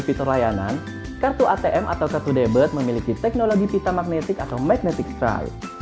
fitur layanan kartu atm atau kartu debit memiliki teknologi pita magnetik atau magnetic strike